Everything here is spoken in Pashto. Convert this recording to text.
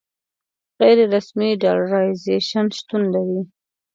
غیر رسمي ډالرایزیشن شتون لري.